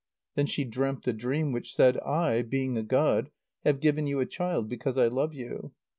Then she dreamt a dream, which said: "I, being a god, have given you a child, because I love you.